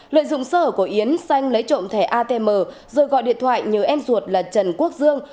lợi dụng sơ hở của yến xanh lấy trộm thẻ atm rồi gọi điện thoại nhờ em ruột là trần quốc dương